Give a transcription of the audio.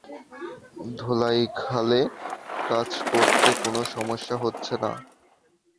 ধোলাইখালে কাজ করতে কোনো সমস্যা হচ্ছে না।